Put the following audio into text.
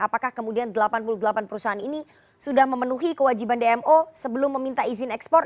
apakah kemudian delapan puluh delapan perusahaan ini sudah memenuhi kewajiban dmo sebelum meminta izin ekspor